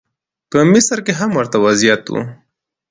په مصر کې هم ورته وضعیت و.